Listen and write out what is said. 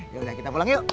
yaudah kita pulang yuk